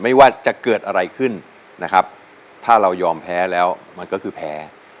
ไม่ว่าจะเกิดอะไรขึ้นนะครับถ้าเรายอมแพ้แล้วมันก็คือแพ้